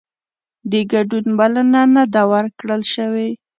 د ګډون بلنه نه ده ورکړل شوې